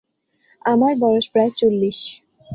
আমার বয়স প্রায় চল্লিশ।